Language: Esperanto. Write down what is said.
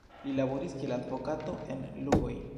Li laboris kiel advokato en Lugoj.